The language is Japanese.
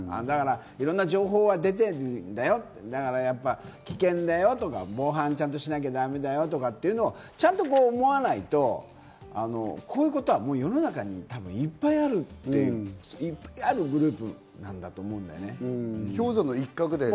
いろんな情報は出てるよ、だから危険だよとか、防犯をちゃんとしなきゃだめだよとかっていうのは思わないと、こういうことは世の中にいっぱいあるって、いっぱいあるグループなんだと思うんだよね。